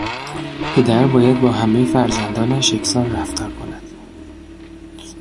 پدر باید با همهی فرزندانش یکسان رفتار کند.